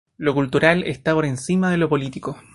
Lo cultural está por encima de lo político.